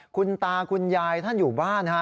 คุณตาคุณยายท่านอยู่บ้านฮะ